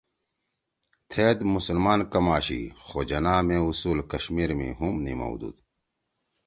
تھید مسلمان کم آشی خو جناح مے اصول کشمیر می ہُم نمِؤدُود۔